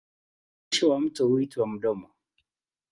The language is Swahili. Mwisho wa mto huitwa mdomo.